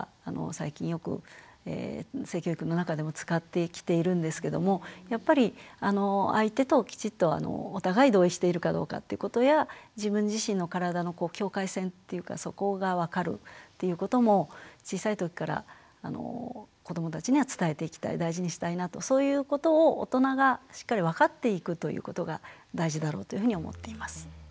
最近よく性教育の中でも使ってきているんですけどもやっぱり相手ときちっとお互い同意しているかどうかってことや自分自身の体の境界線っていうかそこが分かるっていうことも小さい時から子どもたちには伝えていきたい大事にしたいなとそういうことを大人がしっかり分かっていくということが大事だろうというふうに思っています。